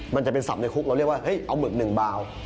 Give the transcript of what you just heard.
มันจะเป็นสับในคุกเราเรียกว่าเอาหมึกหนึ่งบาว